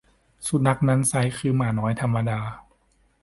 สุนัขนั้นไซร้คือหมาน้อยธรรมดา